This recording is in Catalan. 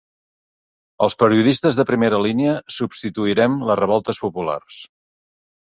Els periodistes de primera línia substituirem les revoltes populars.